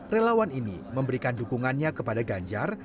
relawan ini memberikan dukungannya kepada ganjar